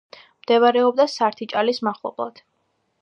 მდებარეობდა სართიჭალის მახლობლად.